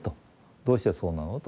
どうしてそうなのと。